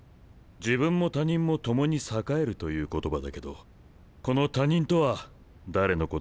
自分も他人も共に栄えるという言葉だけどこの他人とは誰のことか分かるかい？